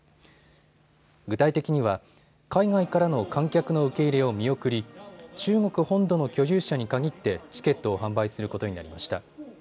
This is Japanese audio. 具体的には海外からの観客の受け入れを見送り中国本土の居住者に限ってチケットを販売することになりました。